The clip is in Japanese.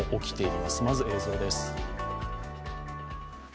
まず映像です。